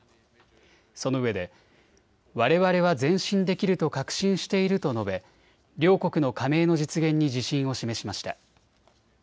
そのうえでわれわれは前進できると確信していると述べ両国の加盟の実現に自信を示しました。